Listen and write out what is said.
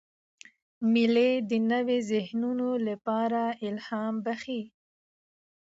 مېلې د نوو ذهنونو له پاره الهام بخښي.